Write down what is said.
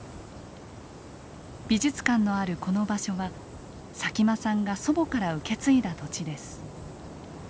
美術館のあるこの場所は佐喜眞さんが祖母から受け継いだ土地です。